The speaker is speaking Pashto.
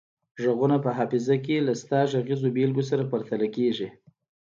غږونه په حافظه کې له شته غږیزو بیلګو سره پرتله کیږي